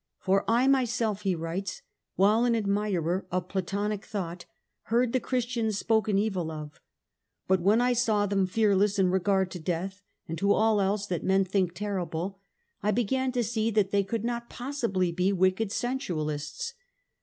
'P'or I my self,' "* he writes, * while an admirer of Platonic thought, heard the Christians spoken evil of ; but when I saw them fear less in regard to death, and to all else that men think terrible, I began to see that they could not possibly be wicked sensualists.